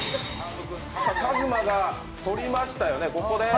ＫＡＺＭＡが取りましたよね、ここで。